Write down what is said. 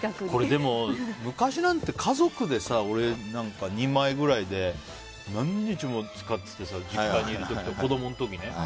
でも昔なんて家族で２枚ぐらいで何日も使っててさ実家にいる時子供の時ね。